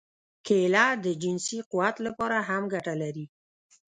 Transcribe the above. کېله د جنسي قوت لپاره هم ګټه لري.